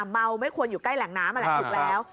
เมาไม่ควรอยู่ใกล้แหลงน้ำแหละถูกแล้ว